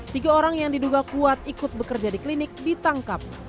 tiga orang yang diduga kuat ikut bekerja di klinik ditangkap